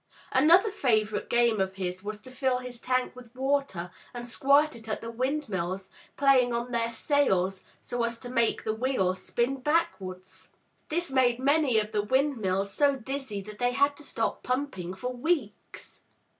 Another favorite game of his was to fill his tank with water, and squirt it at the windmills, playing on their sails so as to make the wheels spin backwards. This made many of the windmills so dizzy that they had to stop pumping for weeks.